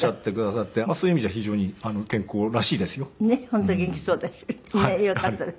本当元気そうでねっよかったです。